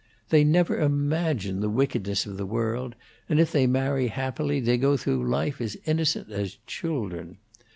They never imagine the wickedness of the world, and if they marry happily they go through life as innocent as children.